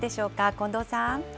近藤さん。